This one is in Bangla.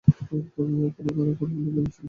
কোন ঘরোয়া লীগে যা একটি বিশ্ব রেকর্ড।